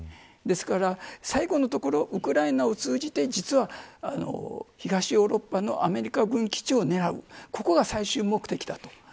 ですから最後のところウクライナを通じて実は東ヨーロッパのアメリカ軍基地を狙うここが最終目的だと。